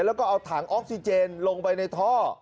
แล้วก็เอาถังออกซิเจนลงไปในท่อ